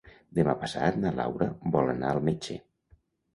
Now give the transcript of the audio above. Demà passat na Laura vol anar al metge.